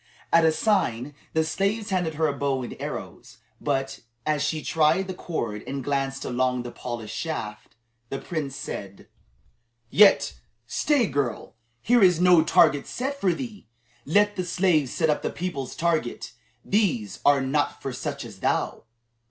At a sign, the slaves handed her a bow and arrows. But, as she tried the cord and glanced along the polished shaft, the prince said: "Yet, stay, girl; here is no target set for thee. Let the slaves set up the people's target. These are not for such as thou."